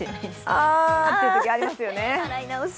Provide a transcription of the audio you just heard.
あっていうとき、ありますよね